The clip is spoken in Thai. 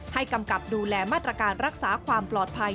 กำกับดูแลมาตรการรักษาความปลอดภัย